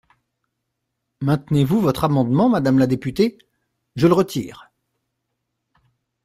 Maintenez-vous votre amendement, madame la députée ? Je le retire.